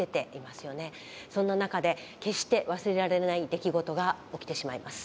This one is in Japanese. そんな中で決して忘れられない出来事が起きてしまいます。